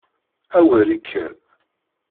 A wer ikker!